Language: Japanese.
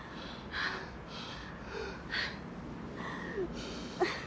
ハァハァ。